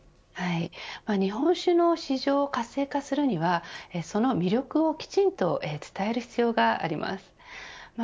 日本酒の市場を活性化するにはその魅力をきちんと伝える必要があります。